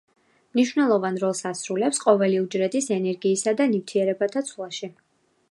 მნიშვნელოვან როლს ასრულებს ყოველი უჯრედის ენერგიისა და ნივთიერებათა ცვლაში.